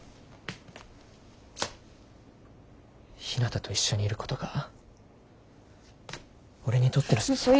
ひなたと一緒にいることが俺にとっての。